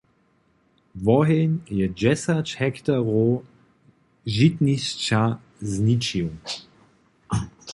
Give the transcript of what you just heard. Woheń je dźesać hektarow žitnišća zničił.